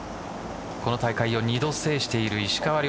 この大会を２度制している石川遼。